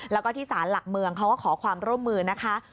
แล้วก็ที่สารหลักเมืองเขาก็ขอความร่วมมือนะคะ